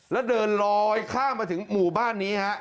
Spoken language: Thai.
แล้วเดินลอยข้ามมาถึงหมู่บ้านนี้ฮะ